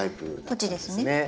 こっちですね。